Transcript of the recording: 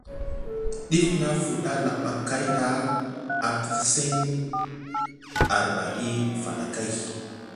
Dif nʼa fuɗa laɓa kay ɗa, e piɵiŋ arbaɗi falakay.